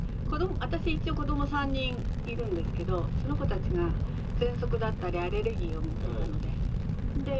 私一応子ども３人いるんですけどその子たちがぜんそくだったりアレルギーを持っていたので。